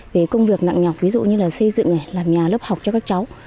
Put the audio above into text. về công việc nặng nhọc ví dụ như là xây dựng làm nhà lớp học cho các cháu